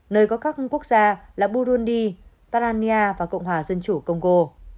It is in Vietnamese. nơi có các quốc gia là burundi tarania và cộng hòa dân chủ công gô